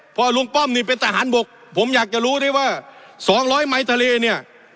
เพราะลุงป้อมนี่เป็นทหารบกผมอยากจะรู้ได้ว่าสองร้อยไหมทะเลเนี่ย